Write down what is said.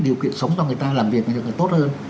điều kiện sống cho người ta làm việc tốt hơn